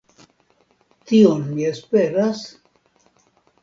Tion mi esperas?